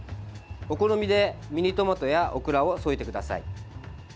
お好みでミニトマトやオクラを添えてください。